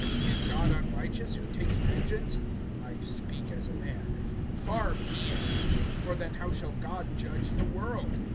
Is God unrighteous who takes vengeance? (I speak as a man.) (6)Far be it! For then how shall God judge the world?